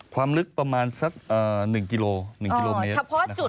ความลึกประมาณสัก๑กิโลเมตร